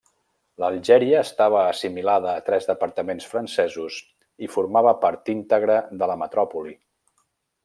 L'Algèria estava assimilada a tres departaments francesos i formava part íntegra de la metròpoli.